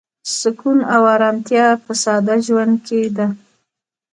سکون او ارامتیا په ساده ژوند کې ده.